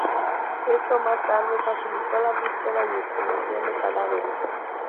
Esto más tarde facilitó la búsqueda y exhumación de cadáveres.